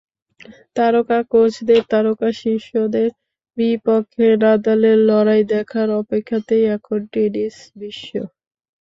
তারকা কোচদের তারকা শিষ্যদের বিপক্ষে নাদালের লড়াই দেখার অপেক্ষাতেই এখন টেনিস-বিশ্ব।